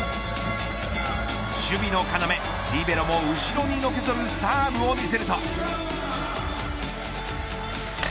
守備の要リベロも後ろにのけぞるサーブを見せると。